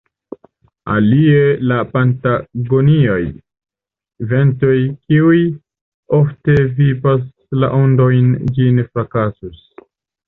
Alie la patagoniaj ventoj, kiuj ofte vipas la ondojn, ĝin frakasus.